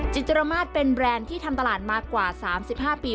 จิตรมาศเป็นแบรนด์ที่ทำตลาดมากว่า๓๕ปี